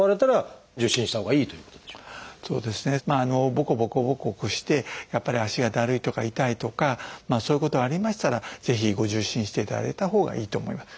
ボコボコボコボコしてやっぱり足がだるいとか痛いとかそういうことがありましたらぜひご受診していただいたほうがいいと思います。